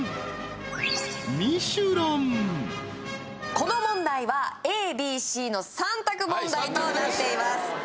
この問題はＡＢＣの三択問題となっています